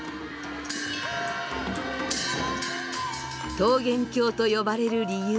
桃源郷と呼ばれる理由